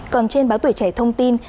còn trên báo tuổi trẻ thông tin